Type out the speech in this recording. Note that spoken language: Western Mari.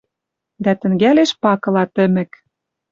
Дӓ тӹнгӓлеш пакыла тӹмӹк: